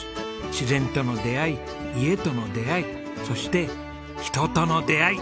自然との出会い家との出会いそして人との出会い。